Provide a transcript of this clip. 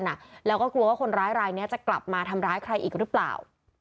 แล้วก็กลัวว่าคนร้ายรายนี้จะกลับมาทำร้ายใครอีกหรือเปล่า